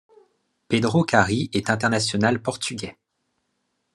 Pedro Cary est international portugais.